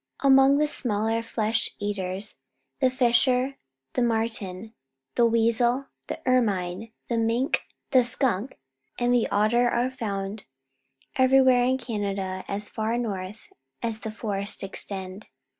A mong the smaller flesh eaters, the fisher, the marten, the weasel, the ermine, the inink, the skunk, and the otter are found everywhere in Canada as far north as the forests extend.